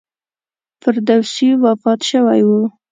فردوسي وفات شوی و.